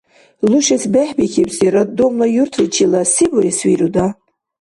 Лушес бехӀбихьибси роддомла юртличила се бурес вируда?